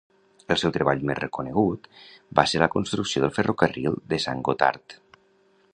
El seu treball més reconegut va ser la construcció del ferrocarril de Sant Gotard.